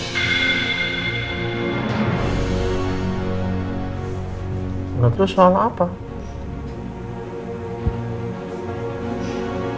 terus soal apa